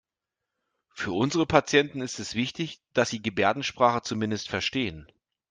Für unsere Patienten ist es wichtig, dass Sie Gebärdensprache zumindest verstehen.